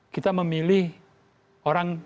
kita memilih orang